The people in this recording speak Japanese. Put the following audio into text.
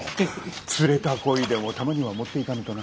釣れた鯉でもたまには持っていかぬとな。